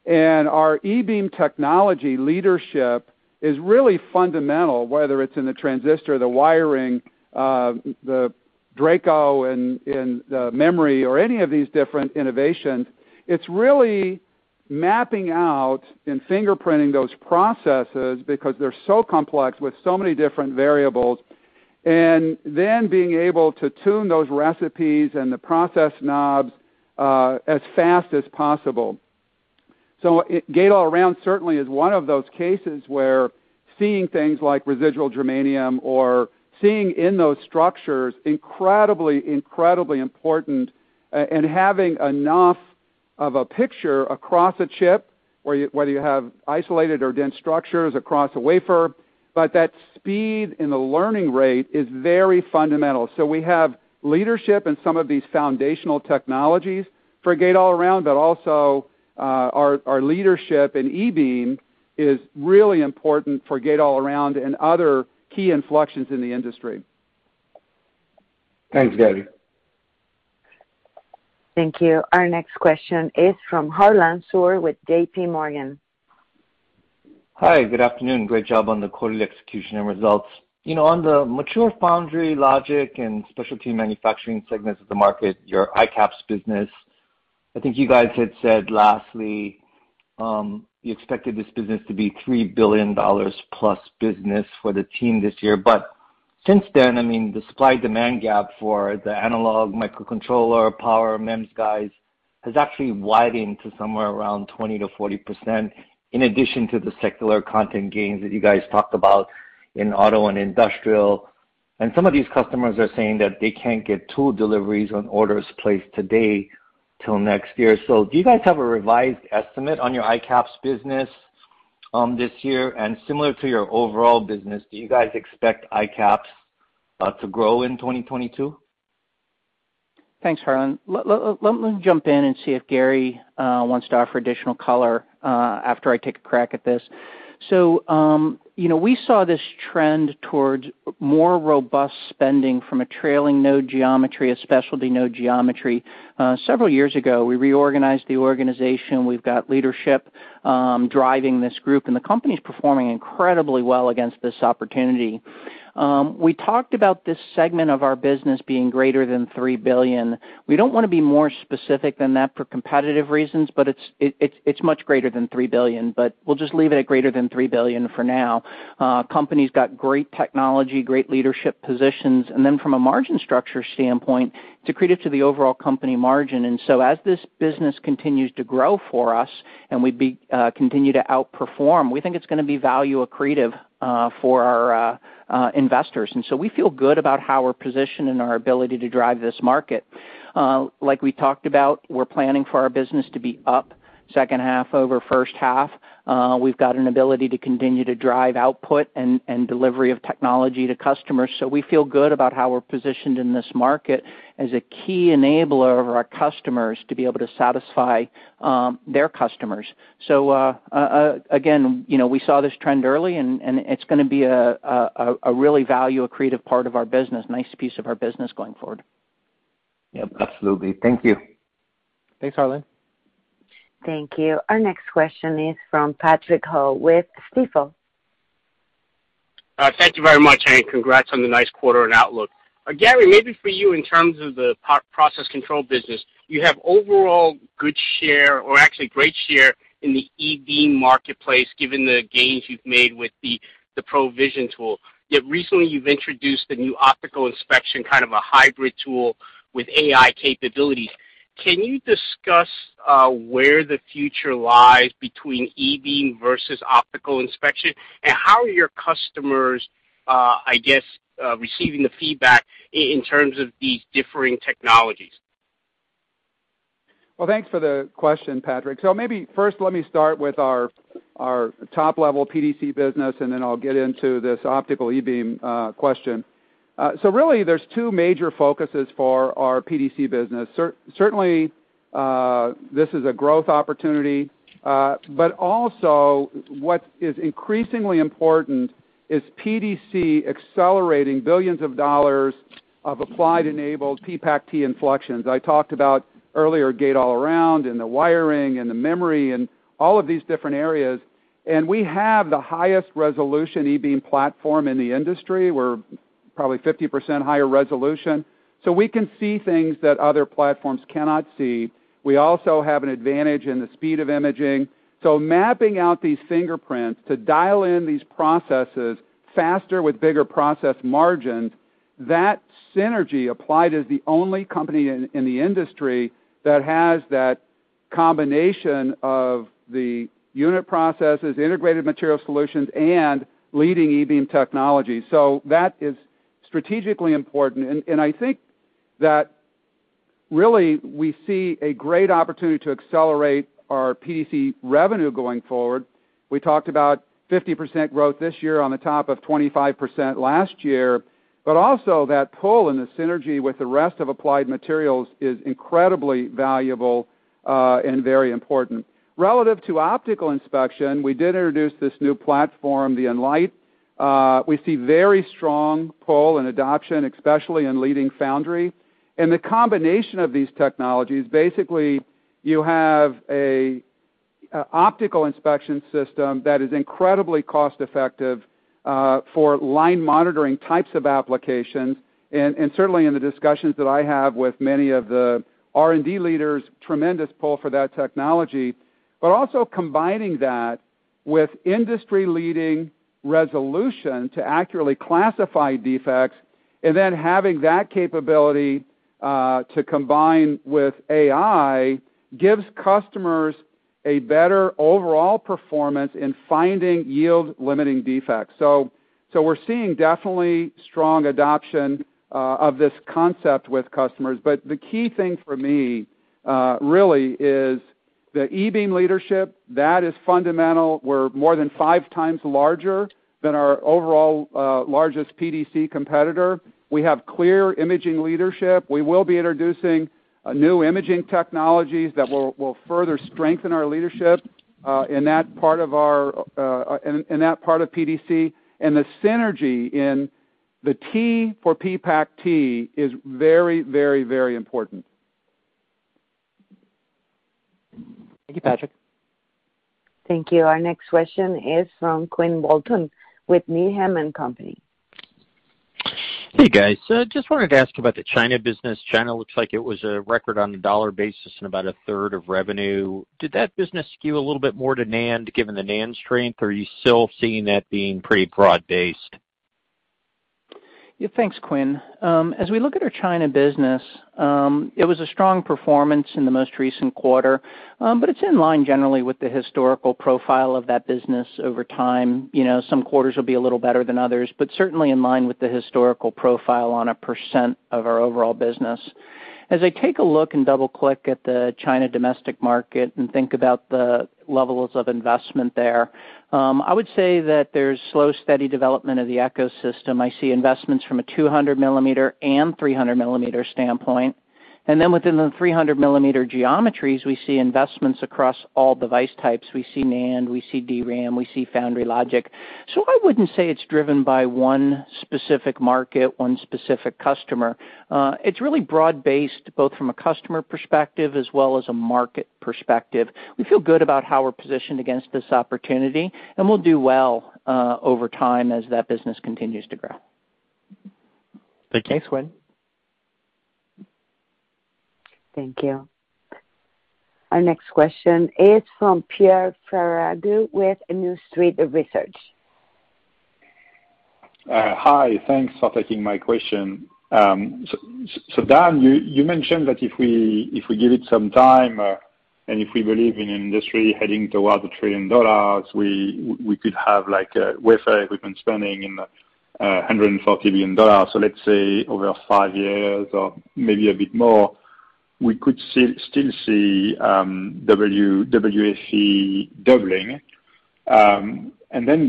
Our E-beam technology leadership is really fundamental, whether it's in the transistor, the wiring, the Draco in the memory or any of these different innovations. It's really mapping out and fingerprinting those processes because they're so complex with so many different variables, and then being able to tune those recipes and the process knobs as fast as possible. Gate-All-Around certainly is one of those cases where seeing things like residual germanium or seeing in those structures incredibly important, and having enough of a picture across a chip where whether you have isolated or dense structures across a wafer, but that speed and the learning rate is very fundamental. We have leadership in some of these foundational technologies for Gate-All-Around, but also, our leadership in E-beam is really important for Gate-All-Around and other key inflections in the industry. Thanks, Gary. Thank you. Our next question is from Harlan Sur with JPMorgan. Hi, good afternoon. Great job on the quarterly execution and results. You know, on the mature foundry logic and specialty manufacturing segments of the market, your ICAPS business, I think you guys had said lastly, you expected this business to be $3 billion plus business for the team this year. Since then, I mean, the supply-demand gap for the analog microcontroller power MEMS guys has actually widened to somewhere around 20%-40% in addition to the secular content gains that you guys talked about in auto and industrial. Some of these customers are saying that they can't get tool deliveries on orders placed today till next year. Do you guys have a revised estimate on your ICAPS business this year? Similar to your overall business, do you guys expect ICAPS to grow in 2022? Thanks, Harlan. Let me jump in and see if Gary wants to offer additional color after I take a crack at this. You know, we saw this trend towards more robust spending from a trailing node geometry, a specialty node geometry. Several years ago, we reorganized the organization. We've got leadership driving this group, the company's performing incredibly well against this opportunity. We talked about this segment of our business being greater than $3 billion. We don't want to be more specific than that for competitive reasons, it's much greater than $3 billion. We'll just leave it at greater than $3 billion for now. Company's got great technology, great leadership positions. From a margin structure standpoint, it's accretive to the overall company margin. As this business continues to grow for us and we continue to outperform, we think it's gonna be value accretive for our investors. We feel good about how we're positioned and our ability to drive this market. Like we talked about, we're planning for our business to be up second half over first half. We've got an ability to continue to drive output and delivery of technology to customers, so we feel good about how we're positioned in this market as a key enabler of our customers to be able to satisfy their customers. Again, you know, we saw this trend early and it's gonna be a really value accretive part of our business, nice piece of our business going forward. Yep, absolutely. Thank you. Thanks, Harlan. Thank you. Our next question is from Patrick Ho with Stifel. Thank you very much, and congrats on the nice quarter and outlook. Gary, maybe for you in terms of the process control business, you have overall good share or actually great share in the E-beam marketplace given the gains you've made with the PROVision tool, yet recently you've introduced the new optical inspection, kind of a hybrid tool with AI capabilities. Can you discuss where the future lies between E-beam versus optical inspection, and how are your customers, I guess, receiving the feedback in terms of these differing technologies? Well, thanks for the question, Patrick. Maybe first let me start with our top-level PDC business, and then I'll get into this optical E-beam question. Really there's two major focuses for our PDC business. Certainly, this is a growth opportunity, but also what is increasingly important is PDC accelerating billions of dollars of Applied-enabled PPACt inflections. I talked about earlier Gate-All-Around and the wiring and the memory and all of these different areas. We have the highest resolution E-beam platform in the industry. We're probably 50% higher resolution, so we can see things that other platforms cannot see. We also have an advantage in the speed of imaging. Mapping out these fingerprints to dial in these processes faster with bigger process margins, that synergy Applied is the only company in the industry that has that combination of the unit processes, integrated material solutions, and leading E-beam technology. That is strategically important. I think that really we see a great opportunity to accelerate our PDC revenue going forward. We talked about 50% growth this year on the top of 25% last year. That pull and the synergy with the rest of Applied Materials is incredibly valuable and very important. Relative to optical inspection, we did introduce this new platform, the Enlight. We see very strong pull and adoption, especially in leading foundry. The combination of these technologies, basically, you have a optical inspection system that is incredibly cost-effective for line monitoring types of applications. Certainly in the discussions that I have with many of the R&D leaders, tremendous pull for that technology. Combining that with industry-leading resolution to accurately classify defects, and then having that capability to combine with AI gives customers a better overall performance in finding yield-limiting defects. We're seeing definitely strong adoption of this concept with customers. The key thing for me, really is the E-beam leadership, that is fundamental. We're more than five times larger than our overall, largest PDC competitor. We have clear imaging leadership. We will be introducing, new imaging technologies that will further strengthen our leadership, in that part of our, in that part of PDC. The synergy in the T for PPACt is very, very, very important. Thank you, Patrick. Thank you. Our next question is from Quinn Bolton with Needham & Company. Hey, guys. I just wanted to ask about the China business. China looks like it was a record on the dollar basis and about a third of revenue. Did that business skew a little bit more to NAND, given the NAND strength, or are you still seeing that being pretty broad-based? Thanks, Quinn. As we look at our China business, it was a strong performance in the most recent quarter. It's in line generally with the historical profile of that business over time. You know, some quarters will be a little better than others, but certainly in line with the historical profile on a percent of our overall business. As I take a look and double-click at the China domestic market and think about the levels of investment there, I would say that there's slow, steady development of the ecosystem. I see investments from a 200 millimeter and 300 millimeter standpoint. Then within the 300 millimeter geometries, we see investments across all device types. We see NAND, we see DRAM, we see foundry logic. I wouldn't say it's driven by one specific market, one specific customer. It's really broad-based, both from a customer perspective as well as a market perspective. We feel good about how we're positioned against this opportunity, and we'll do well over time as that business continues to grow. Okay, thanks, Quinn. Thank you. Our next question is from Pierre Ferragu with New Street Research. Hi. Thanks for taking my question. Dan, you mentioned that if we give it some time, and if we believe in industry heading toward a trillion dollars, we could have like a wafer equipment spending in $140 billion. Let's say over five years or maybe a bit more, we could still see WFE doubling.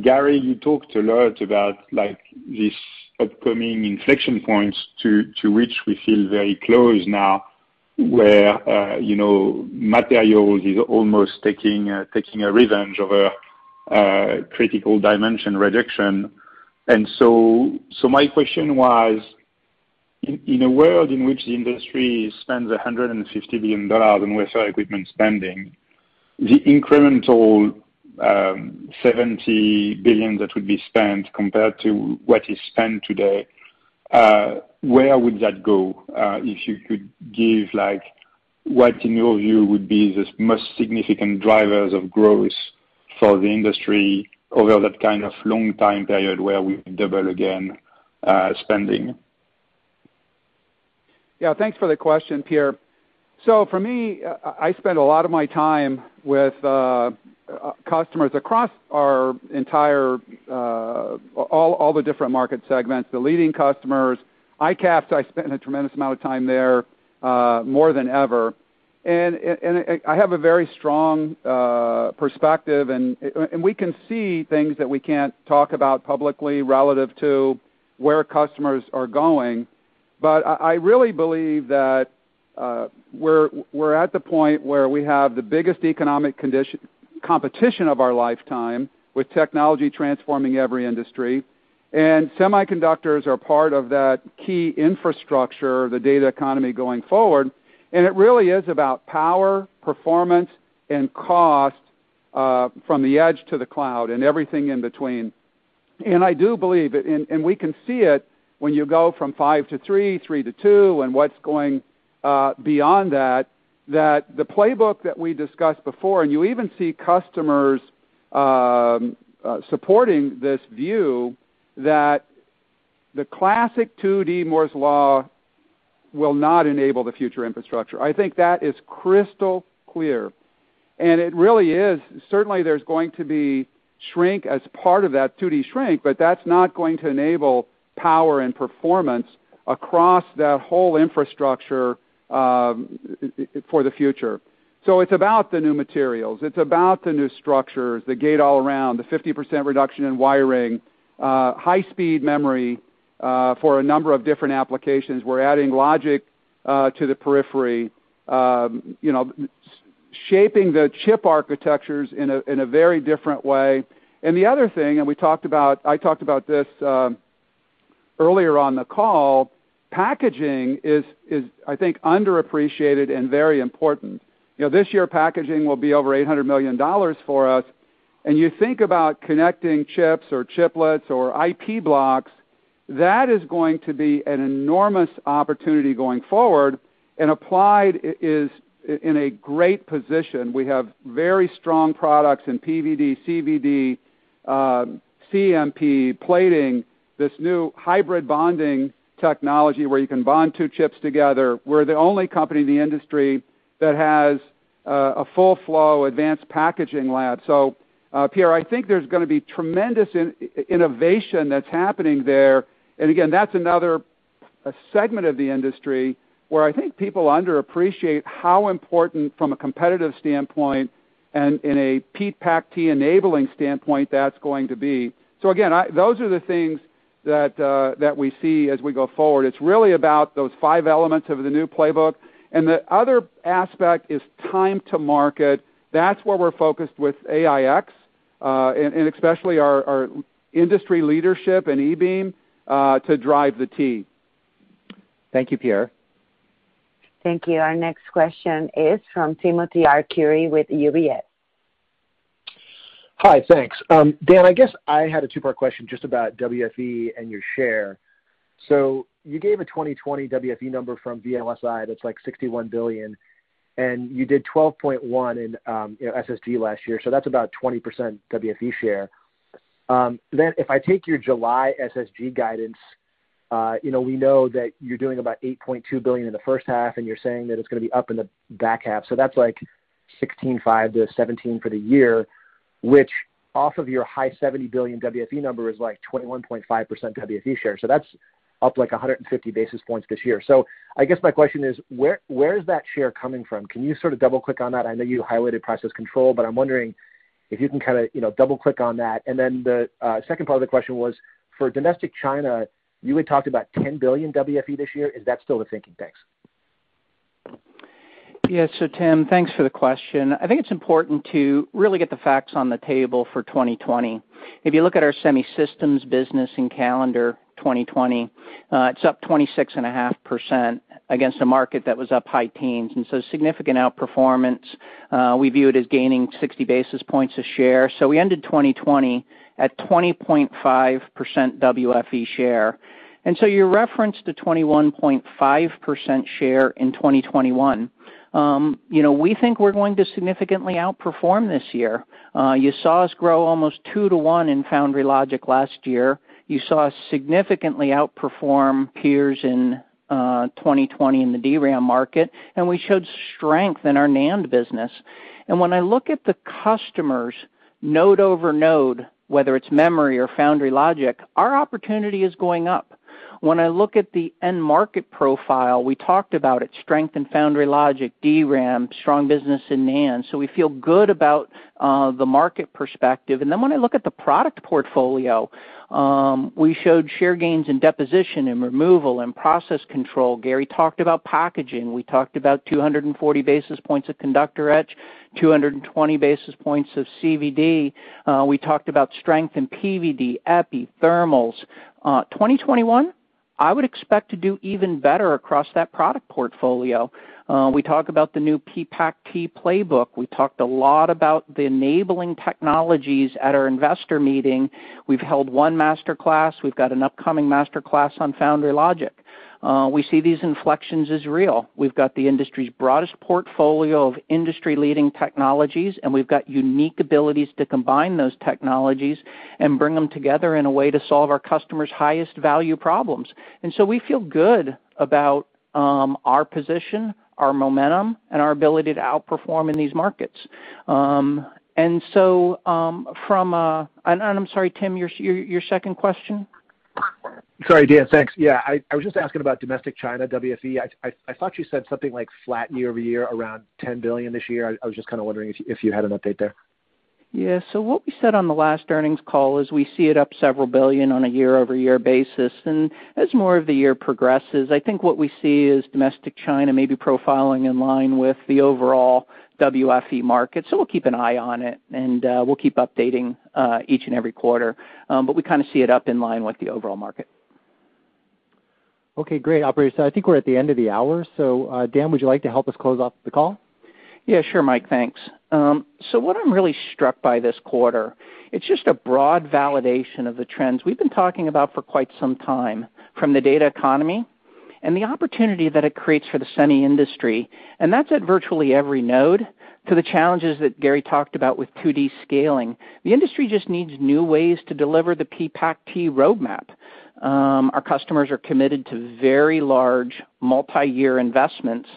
Gary, you talked a lot about like this upcoming inflection points to which we feel very close now, where, you know, materials is almost taking a revenge over critical dimension reduction. My question was, in a world in which the industry spends $150 billion in wafer equipment spending, the incremental $70 billion that would be spent compared to what is spent today, where would that go? If you could give like what in your view would be the most significant drivers of growth for the industry over that kind of long time period where we double again, spending. Thanks for the question, Pierre. For me, I spend a lot of my time with customers across our entire all the different market segments, the leading customers. ICAPS, I spend a tremendous amount of time there, more than ever. And I have a very strong perspective and we can see things that we can't talk about publicly relative to where customers are going. I really believe that we're at the point where we have the biggest economic competition of our lifetime with technology transforming every industry, and semiconductors are part of that key infrastructure, the data economy going forward. It really is about power, performance, and cost, from the edge to the cloud and everything in between. I do believe it, and we can see it when you go from five to three to two, and what's going beyond that the playbook that we discussed before, and you even see customers supporting this view that the classic 2D Moore's Law will not enable the future infrastructure. I think that is crystal clear. It really is. Certainly, there's going to be shrink as part of that 2D shrink, but that's not going to enable power and performance across that whole infrastructure for the future. It's about the new materials, it's about the new structures, the Gate-All-Around, the 50% reduction in wiring, high speed memory for a number of different applications. We're adding logic to the periphery, you know, shaping the chip architectures in a very different way. The other thing, I talked about this earlier on the call, packaging is I think underappreciated and very important. You know, this year packaging will be over $800 million for us, and you think about connecting chips or chiplets or IP blocks, that is going to be an enormous opportunity going forward, and Applied is in a great position. We have very strong products in PVD, CVD, CMP, plating, this new hybrid bonding technology where you can bond two chips together. We're the only company in the industry that has a full flow advanced packaging lab. Pierre, I think there's gonna be tremendous innovation that's happening there. Again, that's another segment of the industry where I think people underappreciate how important from a competitive standpoint and in a PPACt enabling standpoint that's going to be. Again, those are the things that we see as we go forward. It's really about those five elements of the new playbook, and the other aspect is time to market. That's where we're focused with AIx, and especially our industry leadership in E-beam, to drive the T. Thank you, Pierre. Thank you. Our next question is from Timothy Arcuri with UBS. Hi. Thanks. Dan, I guess I had a two-part question just about WFE and your share. You gave a 2020 WFE number from VLSI that's like $61 billion, and you did $12.1 billion in SSG last year, so that's about 20% WFE share. If I take your July SSG guidance, we know that you're doing about $8.2 billion in the first half, and you're saying that it's gonna be up in the back half, so that's like $16.5 billion-$17 billion for the year, which off of your high $70 billion WFE number is like 21.5% WFE share. That's up like 150 basis points this year. I guess my question is: Where is that share coming from? Can you sort of double-click on that? I know you highlighted process control, but I'm wondering if you can kind of, you know, double-click on that? The second part of the question was, for domestic China, you had talked about $10 billion WFE this year. Is that still the thinking? Thanks. Tim, thanks for the question. I think it's important to really get the facts on the table for 2020. If you look at our semi systems business in calendar 2020, it's up 26.5% against a market that was up high teens, significant outperformance, we view it as gaining 60 basis points a share. We ended 2020 at 20.5% WFE share. You referenced the 21.5% share in 2021. You know, we think we're going to significantly outperform this year. You saw us grow almost two to one in foundry logic last year. You saw us significantly outperform peers in 2020 in the DRAM market, we showed strength in our NAND business. When I look at the customers node over node, whether it's memory or foundry logic, our opportunity is going up. When I look at the end market profile, we talked about it, strength in foundry logic, DRAM, strong business in NAND, so we feel good about the market perspective. When I look at the product portfolio, we showed share gains in deposition and removal and process control. Gary talked about packaging. We talked about 240 basis points of conductor etch, 220 basis points of CVD. We talked about strength in PVD, epi, thermals. 2021, I would expect to do even better across that product portfolio. We talk about the new PPACt playbook. We talked a lot about the enabling technologies at our investor meeting. We've held one Masterclass. We've got an upcoming master class on foundry logic. We see these inflections as real. We've got the industry's broadest portfolio of industry-leading technologies, and we've got unique abilities to combine those technologies and bring them together in a way to solve our customers' highest value problems. We feel good about our position, our momentum, and our ability to outperform in these markets. I'm sorry, Tim, your second question? Sorry, Dan. Thanks. Yeah. I was just asking about domestic China WFE. I thought you said something like flat year-over-year, around $10 billion this year. I was just kind of wondering if you, if you had an update there. What we said on the last earnings call is we see it up several billion on a year-over-year basis. As more of the year progresses, I think what we see is domestic China maybe profiling in line with the overall WFE market. We'll keep an eye on it, and we'll keep updating each and every quarter. We kind of see it up in line with the overall market. Okay. Great. Operator, I think we're at the end of the hour. Dan, would you like to help us close off the call? Yeah. Sure, Mike. Thanks. What I'm really struck by this quarter, it's just a broad validation of the trends we've been talking about for quite some time, from the data economy and the opportunity that it creates for the semi industry, and that's at virtually every node, to the challenges that Gary talked about with 2D scaling. The industry just needs new ways to deliver the PPACt roadmap. Our customers are committed to very large multi-year investments,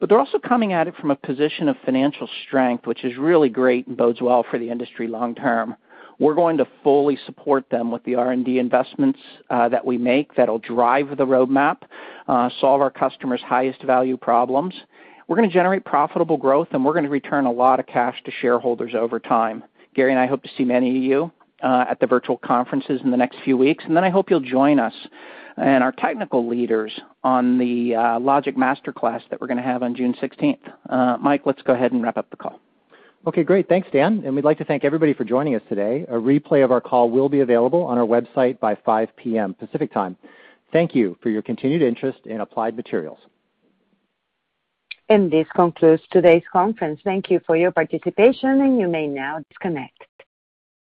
but they're also coming at it from a position of financial strength, which is really great and bodes well for the industry long term. We're going to fully support them with the R&D investments that we make that'll drive the roadmap, solve our customers' highest value problems. We're gonna generate profitable growth, we're gonna return a lot of cash to shareholders over time. Gary and I hope to see many of you at the virtual conferences in the next few weeks, and then I hope you'll join us and our technical leaders on the Logic Masterclass that we're gonna have on June 16th. Mike, let's go ahead and wrap up the call. Okay. Great. Thanks, Dan. We'd like to thank everybody for joining us today. A replay of our call will be available on our website by 5:00 PM Pacific Time. Thank you for your continued interest in Applied Materials. This concludes today's conference. Thank you for your participation, and you may now disconnect.